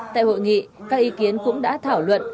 tại hội nghị các ý kiến cũng đã thảo luận